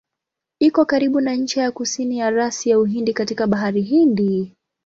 Iko karibu na ncha ya kusini ya rasi ya Uhindi katika Bahari Hindi.